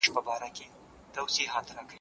د لاسکي پېژندنه دا روښانوي چي څوک څه ګټي.